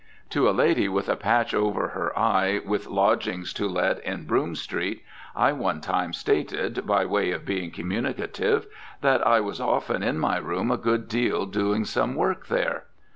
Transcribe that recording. To a lady with a patch over her eye with lodgings to let in Broome Street I one time stated, by way of being communicative, that I was often in my room a good deal doing some work there.